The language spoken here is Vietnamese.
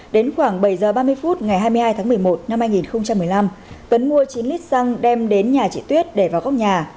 đến khoảng bảy h ba mươi phút ngày hai mươi hai tháng một mươi một năm hai nghìn một mươi năm tuấn mua chín lít xăng đem đến nhà chị tuyết để vào góc nhà